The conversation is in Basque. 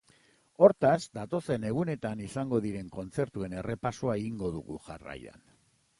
Hortaz, datozen egunetan izango diren kontzertuen errepasoa egingo dugu, jarraian.